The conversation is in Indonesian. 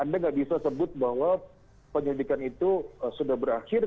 anda nggak bisa sebut bahwa penyelidikan itu sudah berakhir